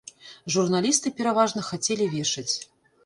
Журналісты пераважна хацелі вешаць.